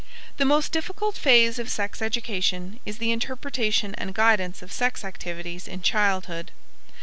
The most difficult phase of sex education is the interpretation and guidance of sex activities in childhood.